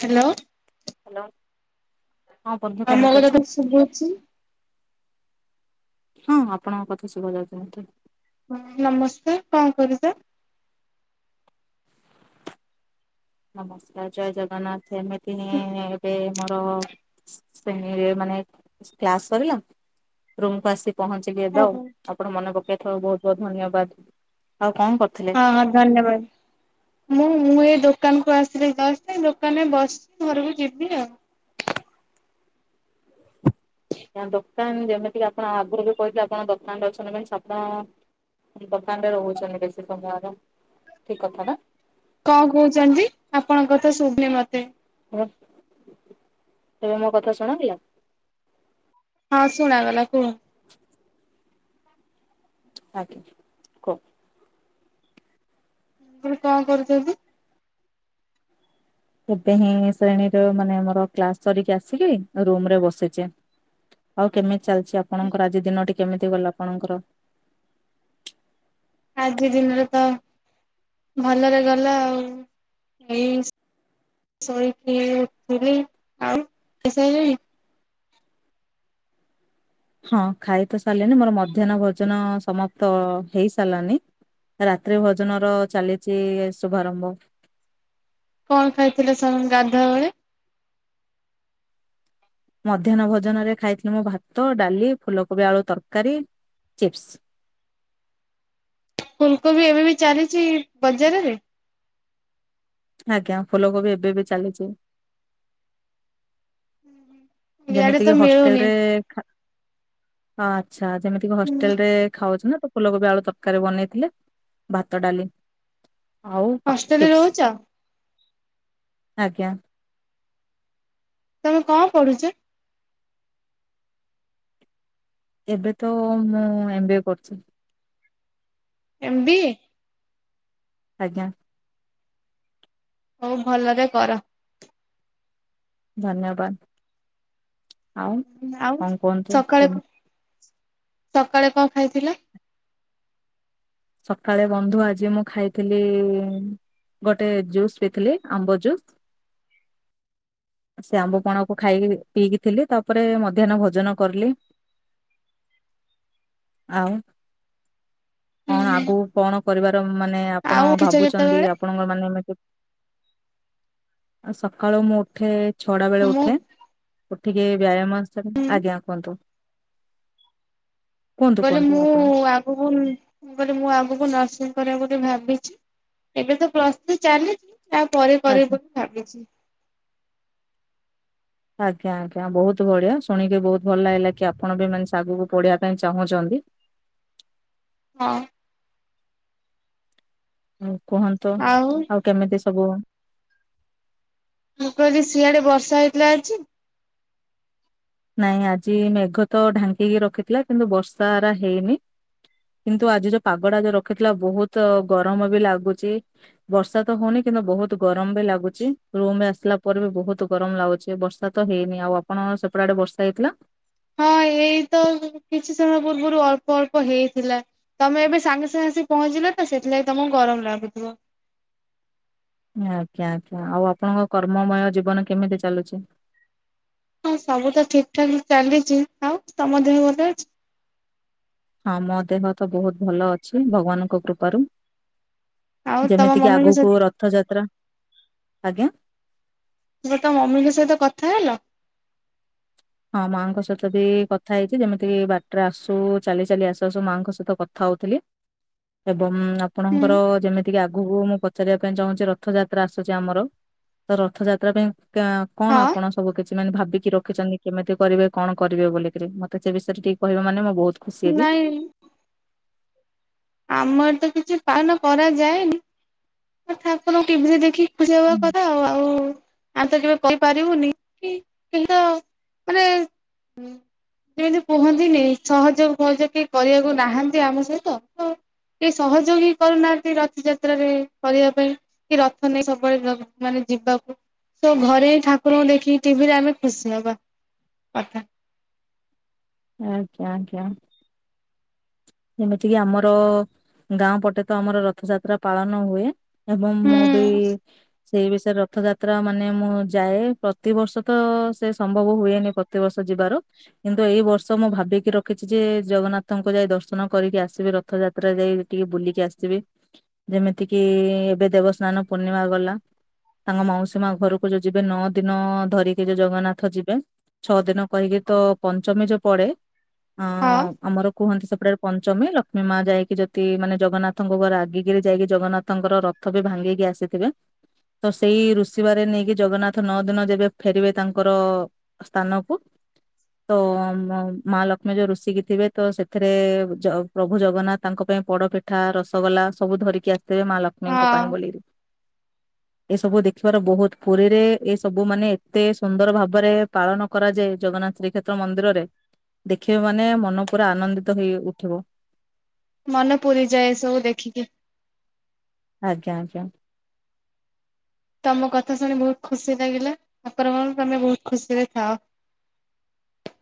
Hello. Hello ହଁ ବନ୍ଧୁ ମୋ କେମିତି କଥା ଅଛ? ତ ଶୁଭୁଚି? ହଁ ଆପଣଙ୍କ କଥା ଶୁଭା ଯାଉଛି ମତେ। ନମସ୍କାର କଣ କରୁଛ? ନମସ୍କାର ଜୟ ଜଗନ୍ନାଥ ଏମିତି ହିଁ ଏ-ଏବେ ମୋର ସ ଶ୍ରେଣୀ ରେ ମାନେ ସ କ୍ଲାସ ସରିଲା ରୁମ୍ କୁ ଆସି ପହଞ୍ଚିବି ଏବେ ଆଉ ଓହୋ। ଆପଣ ମନେ ପକେଇଥିବାରୁ ବହୁତ ବହୁତ ଧନ୍ୟବାଦ। ଆଉ କଣ କରୁଥିଲେ? ହଁ ହଁ ଧନ୍ୟବାଦ ମୁଁ ମୁଁ ଏଇ ଦୋକାନ କୁ ଆସିଲି ଜଷ୍ଟେ ଏଇ ଦୋକାନରେ ବସିଛି ଘରକୁ ଯିବି ଆଉ। ଆଜ୍ଞା ଦୋକାନ ଯେମିତି କି ଆପଣ ଆଗରୁ ବି କହିଥିଲେ ଆପଣ ଦୋକାନରେ ଅଛନ୍ତି ମିନ୍ସ ଆପଣ। ଦୋକାନରେ ରହୁଛନ୍ତି ବେଶୀ ସମୟର ଠିକ କଥା ନା। କଣ କହୁଛନ୍ତି? ଆପଣଙ୍କ କଥା ଶୁଭୁନି ମତେ। ନା? ଏବେ ମୋ କଥା ଶୁଣାଗଲା? ହଁ ଶୁଣାଗଲା କୁହ। ଆଜ୍ଞା କୁହ। ମୁଁ କହିଲି କଣ କରୁଛନ୍ତି? ଏବେ ହିଁ ଶ୍ରେଣୀରେ ମାନେ ମୋର କ୍ଲାସ ସରିକି ଆସିକି ରୁମରେ ବସିଛି। ଆଉ କେମିତି ଚାଲିଛି ଆପଣଙ୍କର ଆଜି ଦିନଟି କେମିତି ଗଲା ଆପଣଙ୍କର? ଆଜି ଦିନରେ ତ ଭଲରେ ଗଲା ଆଉ ଏଇ ଶୋଇକି ଉଠିଲି। ଆଉ ଖାଇ ସାରିଲେଣି? ହଁ ଖାଇ ତ ସାରିଲିଣି ମୋର ମଧ୍ୟାହ୍ନ ଭୋଜନ ସମାପ୍ତ ହେଇ ସାରଲାନି। ରାତ୍ରି ଭୋଜନ ର ଚାଲିଛି ଇଏ ଶୁଭାରମ୍ଭ। କଣ ଖାଇଥିଲେ ସ ଗାଧୁଆ ବଳେ? ମଧ୍ୟାହ୍ନ ଭୋଜନ ରେ ଖାଇଥିଲି ମୁଁ ଭାତ, ଡାଲି, ଫୁଲକୋବି ଆଳୁ ତରକାରୀ। ଚିପ୍ସ। ଫୁଲକୋବି ଏବେ ବି ଚାଲିଛି ବଜାରରେ? ଆଜ୍ଞା ଫୁଲ କୋବି ଏବେ ବି ଚାଲିଛି। ଇଆଡେ ତ ଯେମିତିକି ହଷ୍ଟେଲ ମିଳୁନି। ରେ ଖା ହଁ ଆଚ୍ଛା ଯେମିତି କି ହଷ୍ଟେଲ ରେ ଖାଉଛ ନା ଫୁଲକୋବି ଆଳୁ ତରକାରୀ ବନେଇଥିଲେ ଭାତ, ଡାଲି। ଆଉ ପା ହଷ୍ଟେଲରେ ଚିପ୍ସ ରହୁଛ? ଆଜ୍ଞା। ତମେ କଣ ପଢୁଛ? ଏବେ ତ ମୁଁ ଏମ ବି ଏ କରୁଛି। M B A? ଆଜ୍ଞା। ହଉ ଭଲରେ କର। ଧନ୍ୟବାଦ। ଆଉ ଆଉ କଣ କୁହନ୍ତୁ ସକାଳେ କେମିତି? ସକାଳେ କଣ ଖାଇଥିଲ? ସକାଳେ ବନ୍ଧୁ ଆଜି ମୁଁ ଖାଇଥିଲି। ଗୋଟେ ଜୁସ୍ ପିଥିଲି ଆମ୍ବ ଜୁସ୍। ହ। ସେ ଆମ୍ବ ପଣାକୁ ଖାଇକିରି ପିଇକି ଥିଲି ତାପରେ ମଧ୍ୟାନ୍ନ ଭୋଜନ କରଲି। ଆଉ। କଣ ହୁଁ ଆଗକୁ କଣ କରିବାର ମାନେ ଆପଣ ଆଉ ଉଠୁଛ ଭାବୁଛନ୍ତି କେତେବେଳେ ଆପଣଙ୍କ ମାନେ ଏମିତି ଆଉ ସକାଳୁ ମୁଁ ଉଠେ ଛଅଟା ବେଳେ ମୁଁ ଉଠେ। ଉଠିକି ବ୍ୟାୟାମ ଅନୁସାରେ ଆଜ୍ଞା କୁହନ୍ତୁ। କୁହନ୍ତୁ ମାନେ କୁହନ୍ତୁ ମୁଁ ଆପଣ ଆଗକୁ ମାନେ ମୁଁ କହିଲି ମୁଁ ଆଗକୁ ନର୍ସିଙ୍ଗ କରିବା ବୋଲି ଭାବିଛି ଏବେ ତ ପ୍ଲସ ଥ୍ରି ଚାଲିଛି। ଆଉ ପରେ କରିବି ଆଜ୍ଞା ବୋଲି ଭାବିଛି। ଆଜ୍ଞା ଆଜ୍ଞା ବହୁତ ବଢିଆ ଶୁଣିକି ବହୁତ ଭଲ ଲାଗିଲା କି ଆପଣ ବି ମାନେ ସେ ଆଗକୁ ପଢିବା ପାଇଁ ଚାହୁଁଛ ବି ହଁ। କୁହନ୍ତୁ ଆଉ କେମିତି ମୁଁ କହିଲି ସିଆଡେ ନାଇଁ ଆଜି ମେଘ ତ ଢାଙ୍କିକି ରଖି କିନ୍ତୁ ଆଜି ଯୋଉ ପାଗଟା ଯୋଉ ରଖିଥିଲା ବହୁତ ଗରମ ବି ଲାଗୁଛି ବର୍ଷା ତ ହଉନି କି କିନ୍ତୁ ବହୁତ ଗରମ ବି ଲାଗୁଛି ରୁମ ଆସିଲା ପରେ ବି ବହୁତ ଗରମ ଲାଗୁଛି ବର୍ଷା ତ ହେଇନି ଆଉ ଆପଣ ଙ୍କ ଙ୍କ ଆଡ଼େ ବର୍ଷା ହେଇଥିଲା। ହଁ। ଏଇ ତ କିଛି ସମୟ ପୂର୍ବରୁ ଅଳ୍ପ ଅଳ୍ପ ହେଇଥିଲା ତମେ ଏବେ ସାଙ୍ଗେ ସାଙ୍ଗେ ଆସି ପହଞ୍ଚିଲ। ତ ସେଥିଲାଗି ତମକୁ ଗରମ ଲାଗୁଥିବ। ଆଜ୍ଞା ଆଜ୍ଞା, ଆଉ ଆପଣଙ୍କ କର୍ମମୟ ଜୀବନ କେମିତି ଚାଲୁଚି? ହଁ ସବୁ ତ ଠିକ ଠାକ ଚାଲିଛି, ଆଉ ତମ ଦେହ ଭଲ ଅଛି? ଆ ମୋ ଦେହ ତ ବହୁତ ଭଲ ଅଛି ଭଗବାନଙ୍କ କୃପାରୁ। ଆଉ ତମ ଯେମିତିକି ମମିଙ୍କ ଆଗକୁ ସହିତ ରଥଯାତ୍ରା। ଆଜ୍ଞା? ତ ସେଟା ମମିଙ୍କ ସହିତ କଥା ହେଲ? ହଁ ମାଆଙ୍କ ସହିତ ବି କଥା ହେଇଛି ଯେମିତି ବାଟରେ ଆସୁ ଚାଲି ଚାଲି ଆସ ଆସୁ ମାଙ୍କ ସହିତ କଥା ହଉଥିଲି ଏବଂ ହୁଁ ଆପଣଙ୍କର ଯେମିତି ଟିକେ ଆଗକୁ ମୁଁ ପଚାରିବା ପାଇଁ ଚାହୁଁଛି ରଥଯାତ୍ରା ଆସୁଛି ଆମର ତ ରଥଯାତ୍ରା ପାଇଁ କା କଣ ଆପଣ ହଁ ସବୁ କିଛି ମାନେ ଭାବିକି ରଖିଛନ୍ତି? କେମିତି କରିବେ କଣ କରିବେ ବୋଲି କିରି ମତେ ସେ ବିଷୟରେ ଟିକେ କହିବ ମାନେ ମୁଁ ବହୁତ ଖୁସି ହେବି। ନାଇଁ। ଆମର ତ କିଛି ପାଳନ ପୂଜା ହୁଁ। କର ଆଉ ଆଉ ଆଉ ତ କେବେ କହିପାରିବୁନି କି କିନ୍ତୁ ମାନେ ଯେମିତି କୁହନ୍ତିନି ସହଯୋଗ ଫହଯୋଗ କେହି କରିବାକୁ ନାହାନ୍ତି ଆମ ସହିତ କେ ସହଯୋଗ ହିଁ କରୁନାହାନ୍ତି ରଥଯାତ୍ରାରେ କରିବା ପାଇଁ କି ରଥ ନେଇ ସବୁବେଳେ ମାନେ ଯିବାକୁ ସେ ଘରେ ହିଁ ଠାକୁରଙ୍କୁ ଦେଖି ଟିଭିରେ ଆମେ ଖୁସି ହବା କଥା। ଆଜ୍ଞା ଆଜ୍ଞା। ଯେମିତି କିି ଆମର ଗାଁ ପଟେ ତ ଆମର ରଥଯାତ୍ରା ପାଳନ ହୁଏ। ଏବଂ ହୁଁ ମୁଁ ବି ସେଇ ବିଷୟରେ ରଥ ଯାତ୍ରା ମାନେ ମୁଁ ଯାଏ ପ୍ରତିବର୍ଷ ତ ସେ ସମ୍ଭବ ହୁଏନି ପ୍ରତିବର୍ଷ ଯିବାର କିନ୍ତୁ ଏଇ ବର୍ଷ ମୁଁ ଭାବିକି ରଖିଛି ଯେ ଜଗନ୍ନାଥଙ୍କୁ ଯାଇ ଦର୍ଶ ନ କରିକି ଆସିବି ରଥଯାତ୍ରା ଯାଇକି ଟିକେ ବୁଲିକି ଆସିବି ଯେମିତି କିି ଏବେ ଦେବସ୍ନାନ ନ ପୂର୍ଣ୍ଣିମା ଗଲା। ତାଙ୍କ ମାଉସୀ ମା ଘରକୁ ଯୋଉ ଯିବେ ନଅ ଦିନ ଧରିକି ଯଉ ଜଗନ୍ନାଥ ଯିବେ। ଛଅ ଦିନ କହିକି ତ ପଞ୍ଚମୀ ଯୋଉ ପଡ଼େ ଅ ହଁ ଆମର କୁହନ୍ତି ସେପଟେ ପଞ୍ଚମୀ ଲକ୍ଷ୍ମୀ ମା ଯାଇକି ଯଦି ମାନେ ଜଗନ୍ନାଥଙ୍କ ଉପରେ ରାଗିକି ଯାଇକି ଜଗନ୍ନାଥଙ୍କର ରଥ ବି ଭାଙ୍ଗିକି ଆସିଥିବେ। ତ ସେଇ ଋଷିବାରେ ନେଇକି ଜଗନ୍ନାଥ ନଅ ଦିନ ଯେବେ ଫେରିବେ ତାଙ୍କର ସ୍ଥାନକୁ ତ ମା ଲକ୍ଷ୍ମୀ ଯୋଉ ରୁଷିକି ଥିବେ ତ ସେଥିରେ ଜ ପ୍ରଭୁ ଜଗନ୍ନାଥ ତାଙ୍କ ପାଇଁ ପୋଡ଼ ପିଠା, ରସଗୋଲା ସବୁ ଧରିକି ଆ ସିବେ ମା ଲକ୍ଷ୍ମୀଙ୍କ ହଁ ପାଇଁ ବୋଲି କିରି ଏ ସବୁ ଦେଖିବାର ବହୁତ ପୁରୀରେ ଏ ସବୁ ମାନେ ଏତେ ସୁନ୍ଦର ଭାବରେ ପାଳନ କରାଯାଏ ଜ ଜଗନ୍ନାଥ ଶ୍ରୀକ୍ଷେତ୍ର ମନ୍ଦିରରେ ଦେଖିବେ ମାନେ ମନ ପୁରା ଆନନ୍ଦିତ ହେଇ ଉଠିବ। ମନ ପୁରିଯାଏ ସବୁ ଦେଖିକି। ଆଜ୍ଞା ଆଜ୍ଞା। ତମ କଥା ଶୁଣି ବହୁତ ଖୁସି ଲାଗିଲା ଆପରବରରୁ ତମେ ବହୁତ ଖୁସି ରେ ଥାଅ। [inaudible]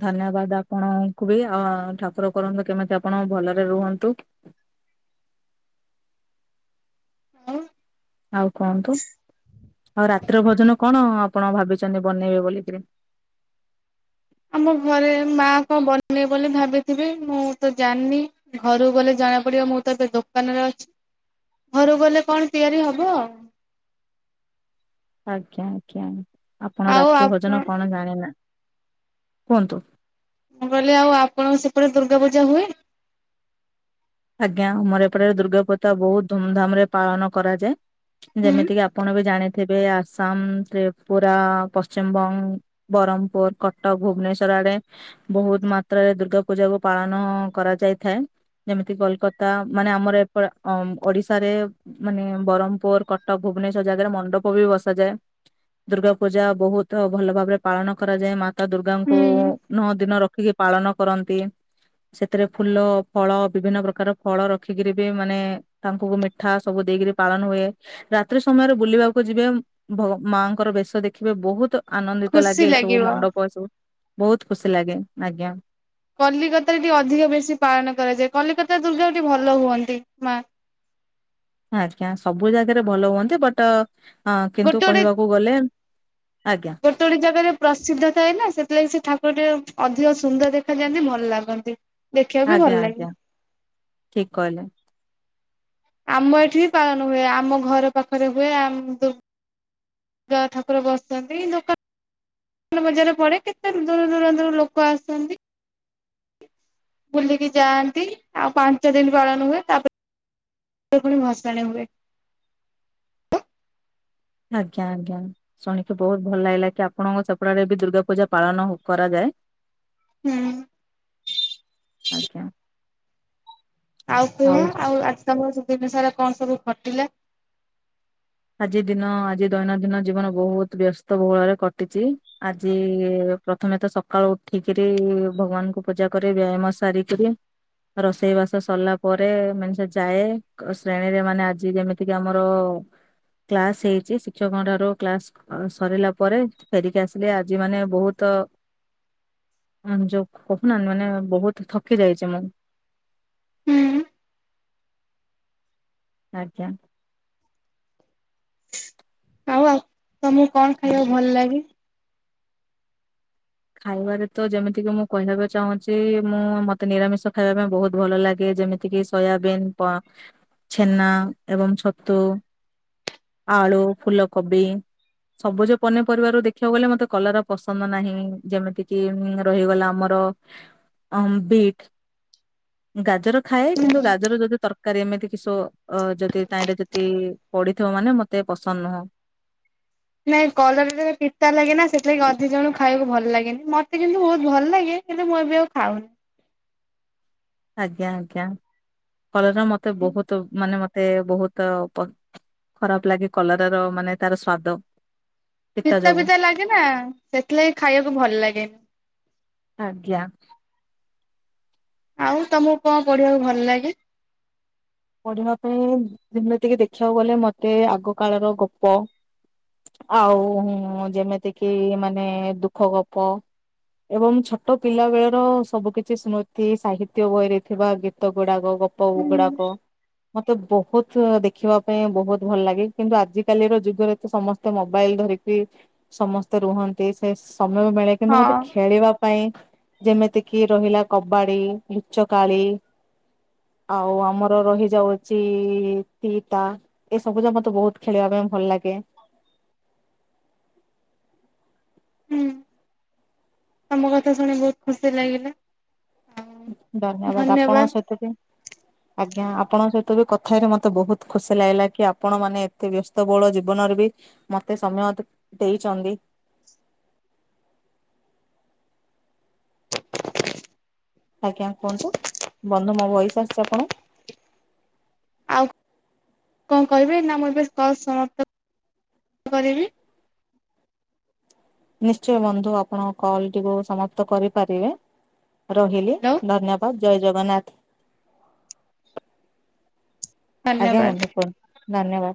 ଧନ୍ୟବାଦ୍ ଆପଣଙ୍କୁ ବି ଆ ଠାକୁର କରନ୍ତୁ କେମିତି ଆପଣ ଭଲରେ ରୁହନ୍ତୁ । ଅ । ଆଉ କୁହନ୍ତୁ? ଆଉ ରାତ୍ର ଭୋଜନ କଣ ଆପଣ ଭାବିଚ଼ନ୍ତି ବନେଇବେ ବୋଲିକିରି? ଆମ ଘରେ ମା କଁ ବନେଇବ ବୋଲି ଭାବିଥିବି ମୁଁ ତ ଜାଣିନି ଘରୁକୁ ଗଲେ ଜଣା ପଡିବ ମୁଁ ତ ଏବେ ଦୋକାନରେ ଅଛି । ଘରୁ ଗଲେ କଣ ତିଆରି ହବ? ଆଜ୍ଞା ଆଜ୍ଞା ଆପଣ ଆଉ ରାତ୍ରି ଆପଣ ଭୋଜନ କଣ ଜାଣିନା । କୁହନ୍ତୁ । ମୁଁ କହିଲି ଆଉ ଆପଣଙ୍କ ସେପଟେ ଦୁର୍ଗା ପୂଜା ହୁଏ? ଆଜ୍ଞା ଆମର ଏପଟରେ ଦୁର୍ଗା ପତା ବହୁତ ଧୁମଧାମରେ ପାଳନ କରାଯାଏ । ହୁଁ ଯେମିତିକି ଆପଣ ବି ଜାଣି ଥିବେ ଆସାମ, ତ୍ରିପୁରା, ପଶ୍ଚିମବଙ୍ଗ, ବରମ୍ ପୁର, କଟକ, ଭୁବନେଶ୍ୱର ଆ ଆଡ଼େ ବହୁତ୍ ମାତ୍ରାରେ ଦୁର୍ଗା ପୂଜାକୁ ପାଳନ କରାଯାଇଥାଏ ଯେମି କୋଲକତା ମାନେ ଆମର ଏପ ଅଁ ଓଡିଶାରେ ମାନେ ବରମପୁର, କଟକ, ଭୁବନେଶ୍ୱର ଜାଗାରେ ମଣ୍ଡପ ବି ବସାଯାଏ । ଦୁର୍ଗା ପୂଜା ବହୁତ ଭଲ ଭାବରେ ପାଳନ କରାଯାଏ ମା ତା ଦୁର୍ଗାଙ୍କୁ ହୁଁ ନଅ ଦିନ ରଖିକି ପାଳନ କରନ୍ତି । ସେଥିରେ ଫୁଲ, ଫଳ ବିଭିନ୍ନ ପ୍ରକାର ଫଳ ରଖିକିରି ବି ମାନେ ତାଙ୍କୁ ମିଠା ସବୁ ଦେଇକରି ପାଳନ ହୁଏ ରାତ୍ରି ସମ ମୟରେ ବୁଲିବାକୁ ଯିବେ ଭଗ ମାଙ୍କର ବେଶ ଦେଖିବେ ବହୁତ୍ ଆନନ୍ଦିତ ଖୁସି ଲାଗେ ଏ ସବୁ ଲାଗିବ। ମଣ୍ଡପ ଏ ସବୁ ବହୁତ୍ ଖୁସି ଲାଗେ ଆଜ୍ଞା । କଲିକତା ରେ ଟିକେ ଅଧିକ ବେଶୀ ପାଳନ କରାଯାଏ କଲିକତା ଦୁର୍ଗା ଏଠି ଭଲ ହୁଅନ୍ତି ମା । ଆଜ୍ଞା ସବୁ ଜାଗାରେ ଭଲ ହୁଅନ୍ତି ବଟ ଅ ଗୋଟେ ଗୋଟେ ଆଜ୍ଞା ଗୋଟେ ଗୋଟେ ଜାଗାରେ ପ୍ରସିଦ୍ଧ ଥାଏ ନା ସେଥିଲାଗି ସେ ଠା କୁ ଟିଏ ଅଧିକ ସୁନ୍ଦର ଦେଖାାଯାଆନ୍ତି ଭଲ ଲାଗନ୍ତି । ଦେଖିଆକୁ ବି ଆଜ୍ଞା ଭଲ ଲାଗେ ଆଜ୍ଞା । ଠିକ କହିଲେ ଆମ ଏଠି ବି ପାଳନ ହୁଏ ଆମ ଘର ପାଖରେ ହୁଏ ଆମ ଦୁ ଗାଁ ଠାକୁର ବସିଥାନ୍ତି ଦୋକାନ୍ ନ ବଜାର ପଡେ କେତେ ଦୂର ଦୂର ଦୂରାନ୍ତର ଲୋକ ଆସନ୍ତି । ବୁଲିକି ଯାଆନ୍ତି ଆଉ ପାଞ୍ଚ ଦିନି ପାଳନ ହୁଏ ତାପରେ ସେ ପୁଣି ଭସାଣି ହୁଏ । [unintelligible] ଆଜ୍ଞା ଆଜ୍ଞା ଶୁଣିକି ବହୁତ ଭଲ ଲାଗିଲା କି ଆପଣଙ୍କ ସେପଟାରେ ବି ଦୁର୍ଗା ପୂଜା ପାଳନ କରାଯାଏ ହୁଁ । ଆଜ୍ଞା । ଆଉ କୁହ ଆଉ ଆଜି ତମର ଦିନ ସାରା କଣ ସବୁ ଘଟିଲା? ଆଜି ଦିନ ଆଜି ଦୈନଦିନ ଜୀବନ ବହୁତ୍ ବ୍ୟସ୍ତ ବହୁଳରେ କଟିଚ଼ି ଆଜି ପ୍ରଥମେ ତ ସକାଳୁ ଉଠିକିରି ଭଗବାନଙ୍କୁ ପୂଜା କରି ବ୍ୟାୟାମ ସାରିକିରି ରୋଷେଇ ବାସ ସରିଲା ପରେ ମାନେ ସେ ଯାଏ ଶ୍ରେଣୀରେ ମାନେ ଆଜି ଯେମିତିକି ଆମର କ୍ଲାସ ହେଇଚ଼ି ଶିକ୍ଷକଙ୍କ ଠାରୁ କ୍ଲାସ ସରିଲା ପରେ ଫେରିକି ଆସିଲେ ଆଜି ମାନେ ବହୁତ [inaudible] ଯୋଉ କହୁନାହାନ୍ତି ମାନେ ବହୁତ ଥକି ଯାଇଚ଼ି ମୁଁ । [inaudible] ଆଜ୍ଞା । ଆଉ ଆଉ ତମକୁ କଣ ଖାଇବାକୁ ଭଲ ଲାଗେ? ଖାଇବାରେ ତ ଯେମିତିକି ମୁଁ କହିବାକୁ ଚାହୁଁଚ଼ି ମୁଁ ମତେ ନିରାମିଷ ଖାଇବା ପାଇଁ ବହୁତ ଭଲ ଲାଗେ । ଯେମିତିକିି ସୋୟାବିନ୍, ପଁ, ଛେନା ଏବଂ ଛତୁ । ଆଳୁ, ଫୁଲକୋବି । ସବୁଜ ପନିପରିବାରରୁ ଦେଖିଆକୁ ଗଲେ ମତେ କଲରା ପସନ୍ଦ ନାହିଁ । ଯେମିତିକି ଉଁ ରହିଗଲା ଆମର ଅଁ ବିଟ୍ । ଗାଜର ଖାଏ କିନ୍ତୁ ଗାଜର ଯଦି ତର ତରକାରୀ ଏମିତି କି ସୋ-ଅ ଯଦି ତାହିଁରେ ଯଦି ପଡିଥିବ ମାନେ ମତେ ପସନ୍ଦ ନୁହଁ। ନାଇଁ କଲରାଟାରେ ପିତା ଲାଗେ ନା, ସେଥିଲାଗି ଅଧେ ଜଣଙ୍କୁ ଖାଇବାକୁ ଭଲ ଲାଗେନି। ମତେ କିନ୍ତୁ ବହୁତ ଭଲ ଲାଗେ କିନ୍ତୁ ମୁଁ ଏବେ ଆଉ ଖାଉନି। ଆଜ୍ଞା ଆଜ୍ଞା। ଫଳରେ ମତେ ବହୁତ ମାନେ ମତେ ମତେ ବହୁତ ପତ୍ ଖରାପ ଲାଗେ କଲରାର ମାନେ ତାର ସ୍ଵାଦ। ପିତା ପିତା ଲାଗେ ନା, ସେଥିଲାଗି ଖାଇବାକୁ ଭଲ ଲାଗେନି। ଆଜ୍ଞା ଆଉ ତମକୁ କଣ ପଢିବାକୁ ଭଲ ଲାଗେ? ପଢିବା ପାଇଁ, ଯେମିତିକି ଦେଖିବାକୁ ଗଲେ ମତେ ଆଗ କାଳର ଗପ ଆଉ ଯେମିତି କିି ମାନେ ଦୁଃଖ ଗପ ଏବଂ ଛୋଟ ପିଲା ବେଳର ସବୁ କିଛି ସ୍ମୃତି, ସାହିତ୍ୟ ବହିରେ ଥିବା ଗୀତ ଗୁଡାକ ଗପ ଗୁଡାକ ମତେ ବହୁତ ଦେଖିବା ପାଇଁ ବହୁତ ଭଲ ଲାଗେ। କିନ୍ତୁ ଆଜିକାଲିର ଯୁଗରେ ତ ସମସ୍ତେ ମୋବା ବାଇଲ ଧରିକି ସମସ୍ତେ ରୁହନ୍ତି। ସେ ସମୟବେଳେ କିନ୍ତୁ ହଁ ମତେ ଖେଳିବା ପାଇଁ ଯେମିତି କିି ରହିଲା କବାଡି, ଲୁଚକାଳି ଆଉ ଆମର ରହିଚ୍ ଯାଉଚି ତିତା, ଏ ସବୁ ଯାକ ମତେ ବହୁତ ଖେଳିବା ପାଇଁ ଭଲ ଲାଗେ। ହୁଁ ତମ କଥା ଶୁଣି ବହୁତ ଖୁସି ଲାଗିଲା। ଧନ୍ୟବାଦ। ଆପଣଙ୍କ ସହିତ ବି ଆଜ୍ଞା। ଆପଣଙ୍କ ସହିତ ବି କଥା ହେଇକି ମତେ ବହୁତ ଖୁସି ଲାଗିଲା କି, ଆପଣ ମାନେ ଏତେ ବ୍ୟସ୍ତବହୁଳ ଜୀବନରେ ବି ମତେ ସମୟ ଦେ-ଦେଇଚନ୍ତି। ଆଜ୍ଞା କୁହନ୍ତୁ। ବନ୍ଧୁ ମୋ ଭଏସ ଆସିଛି ଆପଣଙ୍କୁ? ଆଉ କଣ କହିବେ? ନା ମୁଁ ଏବେ କଲ୍ ସମାପ୍ତ କ-କରିବି? ନିଶ୍ଚୟ ବନ୍ଧୁ। ଆପଣଙ୍କ କଲଟିକୁ ସମାପ୍ତ କରିପାରିବେ। ରହିଲି। ହ୍ୟାଲୋ ଧନ୍ୟବାଦ। ଜୟ ଜଗନ୍ନାଥ। ଆଜ୍ଞା ଧନ୍ୟବାଦ। ବନ୍ଧୁ କୁହନ୍ତୁ। ଧନ୍ୟବାଦ।